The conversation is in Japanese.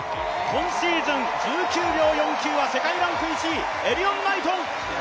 今シーズン１９秒４９は世界ランク１位、エリヨン・ナイトン。